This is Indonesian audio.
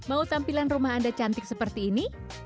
mau tampilan rumah anda cantik seperti ini